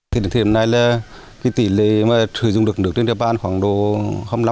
thì đến thời điểm này là tỷ lệ mà sử dụng được nước trên đài bản khoảng năm bảy